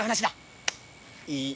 いい。